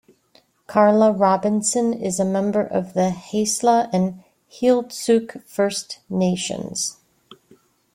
Carla Robinson is a member of the Haisla and Heiltsuk First Nations.